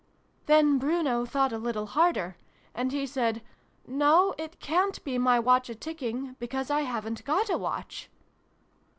"Then Bruno thought a little harder. And he said 'No! It cant be my Watch a tick ing ; because I haven't got a Watch